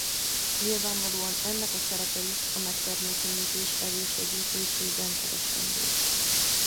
Nyilvánvalóan ennek a szerepe is a megtermékenyítés elősegítésében keresendő.